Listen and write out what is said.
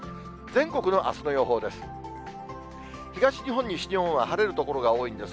全国のあすの予報です。